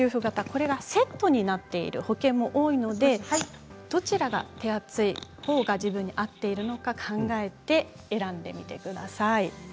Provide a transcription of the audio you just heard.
これがセットになっている保険も多いのでどちらが手厚いほうが自分に合っているのか考えて選んでみてください。